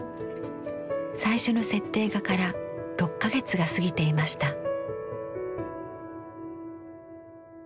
最初の設定画から６か月が過ぎていました。